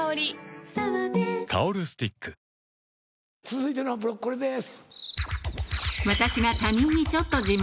続いてのブロックこれです。